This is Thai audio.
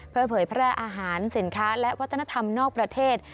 เพื่อเผยแพร่อาหารสินค้าและวัฒนธรรมนอกประเทศ